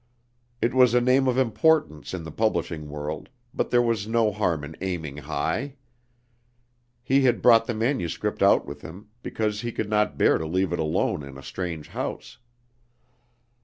It was a name of importance in the publishing world, but there was no harm in aiming high. He had brought the manuscript out with him, because he could not bear to leave it alone in a strange house.